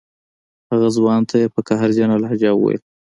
هغه ځوان ته یې په قهرجنه لهجه وویل.